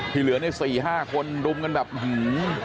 ที่เหลือเนี่ย๔๕คนลุมกันแบบหื้ม